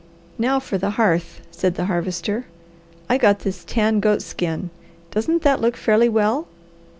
"Now for the hearth," said the Harvester, "I got this tan goat skin. Doesn't that look fairly well?"